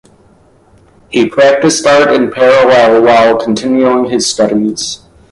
He practiced art in parallel while continuing his studies.